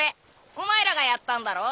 お前らがやったんだろ？